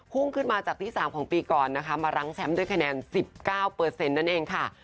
ขึ้นมาจากที่๓ของปีก่อนนะคะมารั้งแชมป์ด้วยคะแนน๑๙นั่นเองค่ะ